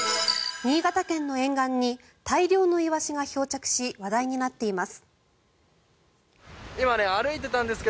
新潟県の沿岸に大量のイワシが漂着し話題になっています。